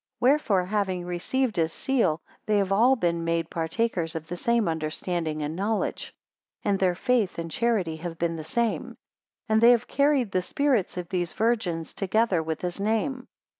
167 Wherefore having received his seal, they have all been made partakers of the same understanding and knowledge; and their faith and charity have been the same; and they have carried the spirits of these virgins together with his name.